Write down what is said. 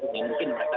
mungkin mereka bisa